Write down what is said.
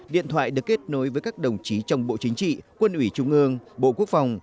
điện thoại được kết nối với các đồng chí trong bộ chính trị quân ủy trung ương bộ quốc phòng